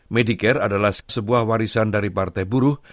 medicare adalah sebuah warisan dari partai buruh